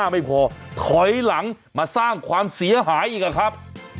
ไม่พอถอยหลังมาสร้างความเสียหายอีกครับ